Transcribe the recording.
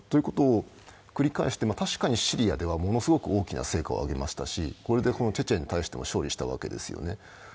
それを繰り返して確かにシリアではものすごく大きな成果を上げましたしこれでチェチェンに対しても勝利したわけですよね。